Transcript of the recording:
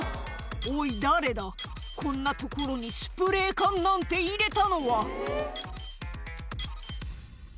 おい誰だこんなところにスプレー缶なんて入れたのは」